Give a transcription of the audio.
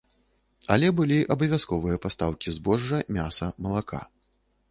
Але былі абавязковыя пастаўкі збожжа, мяса, малака.